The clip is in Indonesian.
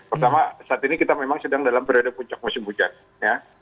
pertama saat ini kita memang sedang dalam periode puncak musim hujan ya